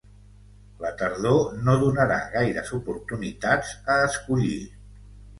La tardor no donarà gaires oportunitats a escollir.